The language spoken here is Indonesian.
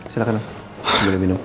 silahkan boleh minum